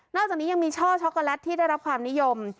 อกจากนี้ยังมีช่อช็อกโกแลตที่ได้รับความนิยม